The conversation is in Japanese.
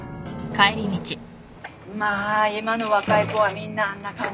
まあ今の若い子はみんなあんな感じだよね。